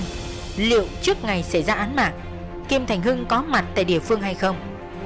nhưng liệu trước ngày xảy ra án mạng kim thành hưng có mặt tại địa phương hay không